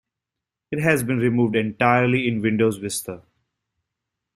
It has been removed entirely in Windows Vista.